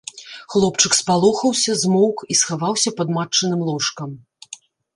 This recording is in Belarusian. Хлопчык спалохаўся, змоўк і схаваўся пад матчыным ложкам.